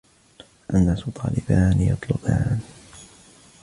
النَّاسُ طَالِبَانِ يَطْلُبَانِ